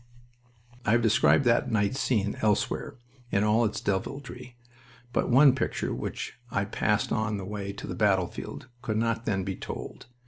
I have described that night scene elsewhere, in all its deviltry, but one picture which I passed on the way to the battlefield could not then be told.